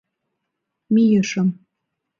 Мийышым.